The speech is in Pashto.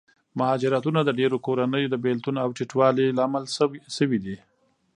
مهاجرتونه د ډېرو کورنیو د بېلتون او تیتوالي لامل شوي دي.